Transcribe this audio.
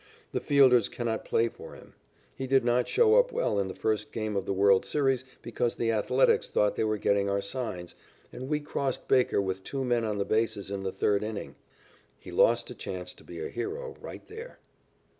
The fielders cannot play for him. He did not show up well in the first game of the world's series because the Athletics thought they were getting our signs, and we crossed Baker with two men on the bases in the third inning. He lost a chance to be a hero right there.